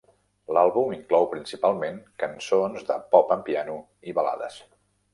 L'àlbum inclou principalment cançons de pop amb piano i balades.